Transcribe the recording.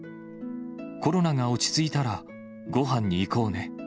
コロナが落ち着いたら、ごはんに行こうね。